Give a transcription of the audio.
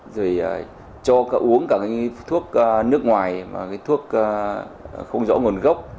rồi cho uống cả cái thuốc nước ngoài và cái thuốc không rõ nguồn gốc